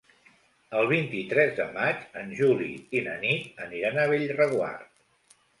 El vint-i-tres de maig en Juli i na Nit aniran a Bellreguard.